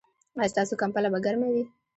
ایا ستاسو کمپله به ګرمه وي؟